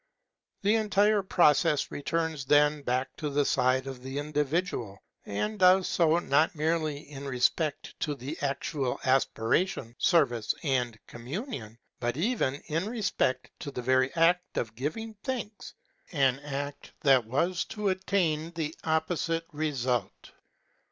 The entire process returns then back to the side of the individual, and does so not merely in respect of the actual aspiration, service, and communion, but even in respect of the very act of giving thanks, an act that was to attain the opposite result.